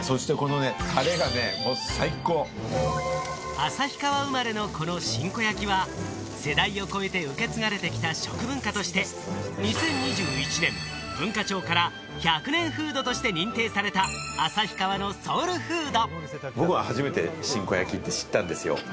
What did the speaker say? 旭川生まれのこの新子焼きは、世代を超えて受け継がれてきた食文化として２０２１年、文化庁から１００年フードとして認定された旭川のソウルフード。